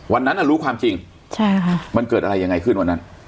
วันนั้นรู้ความจริงใช่ค่ะมันเกิดอะไรยังไงขึ้นวันนั้น